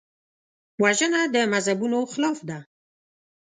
وژنه د مذهبونو خلاف ده